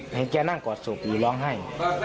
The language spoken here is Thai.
เห็นแกนั่งกอดศพอยู่ร้องไห้